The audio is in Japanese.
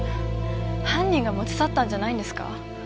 犯人が持ち去ったんじゃないんですか？